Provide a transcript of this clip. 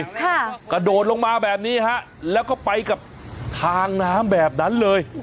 กระโดดลงมาแบบนี้ฮะแล้วก็ไปกับทางน้ำแบบนั้นเลย